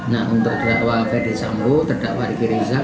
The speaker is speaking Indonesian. nah untuk terdakwa ferdis sambu terdakwa soeari kirijal